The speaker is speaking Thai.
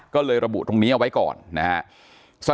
ก็เลยระบุตรงนี้เอาไว้ก่อนนะครับ